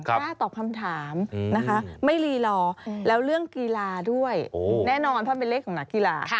กล้าตอบคำถามนะคะไม่รีรอแล้วเรื่องกีฬาด้วยแน่นอนเพราะเป็นเลขของนักกีฬา